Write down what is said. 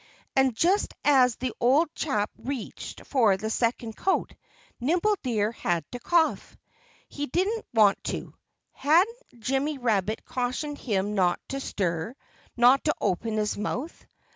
And just as the old chap reached for the second coat Nimble Deer had to cough. He didn't want to. Hadn't Jimmy Rabbit cautioned him not to stir not to open his mouth?